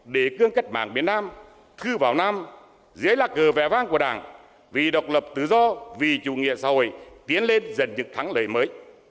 để cương cách mạng việt nam thư vào nam dưới là cờ vẻ vang của đảng vì độc lập tự do vì chủ nghĩa xã hội tiến lên dần dựng thắng lời mới